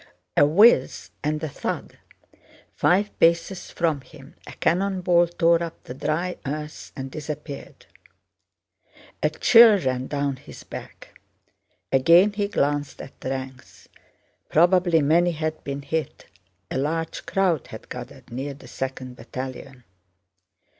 A whizz and a thud! Five paces from him, a cannon ball tore up the dry earth and disappeared. A chill ran down his back. Again he glanced at the ranks. Probably many had been hit—a large crowd had gathered near the second battalion.